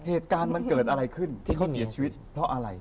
เหตุการณ์มันเกิดอะไรขึ้นที่เขาเสียชีวิตเพราะอะไร